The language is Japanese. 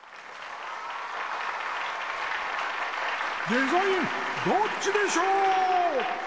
「デザインどっちでショー」！